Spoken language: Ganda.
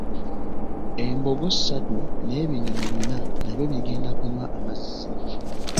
Embogo satu n'ebinyonyi bina nabyo bigenda okunywa amazzi.